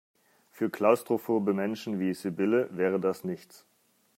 Für klaustrophobe Menschen wie Sibylle wäre das nichts.